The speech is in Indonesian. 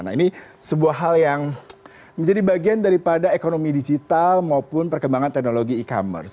nah ini sebuah hal yang menjadi bagian daripada ekonomi digital maupun perkembangan teknologi e commerce